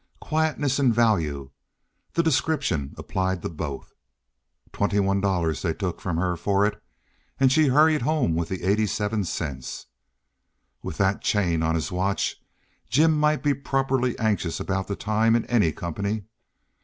Quietness and value—the description applied to both. Twenty one dollars they took from her for it, and she hurried home with the 87 cents. With that chain on his watch Jim might be properly anxious about the time in any company.